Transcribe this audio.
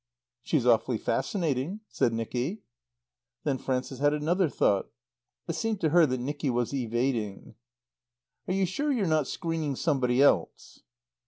"She's awfully fascinating," said Nicky. Then Frances had another thought. It seemed to her that Nicky was evading. "Are you sure you're not screening somebody else?"